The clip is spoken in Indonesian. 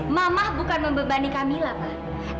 mama bukan membebani kamila pah